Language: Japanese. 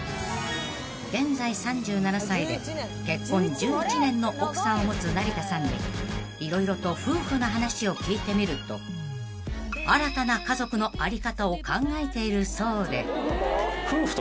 ［現在３７歳で結婚１１年の奥さんを持つ成田さんに色々と夫婦の話を聞いてみると新たな家族の在り方を考えているそうで］